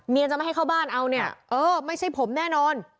จะไม่ให้เข้าบ้านเอาเนี่ยเออไม่ใช่ผมแน่นอน